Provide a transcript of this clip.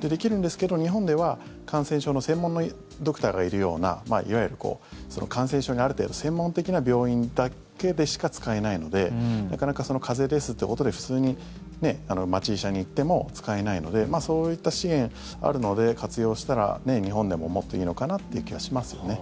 できるんですけど、日本では感染症の専門のドクターがいるようないわゆる感染症にある程度専門的な病院だけでしか使えないのでなかなか風邪ですということで普通に町医者に行っても使えないのでそういった支援があるので活用したら日本でももっといいのかなという気がしますよね。